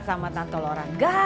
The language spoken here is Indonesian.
sari kata senda